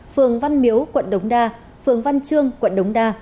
phường văn miếu quận đống đa phường văn chương quận đống đa